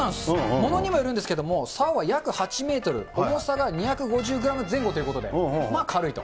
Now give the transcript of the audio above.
ものにもよるんですけど、さおは約８メートル、重さが２５０グラム前後ということで、まあ軽いと。